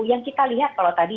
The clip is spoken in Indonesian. yang kita lihat kalau tadi